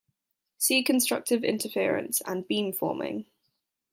See Constructive interference, and Beamforming.